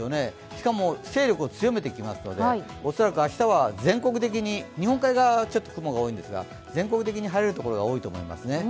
しかも勢力を強めてきますので恐らく明日は、日本海側はちょっと曇るんですが、全国的に晴れる所が多いと思いますね。